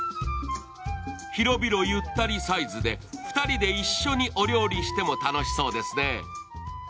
広々ゆったりサイズで２人で一緒にお料理しても楽しそうですね。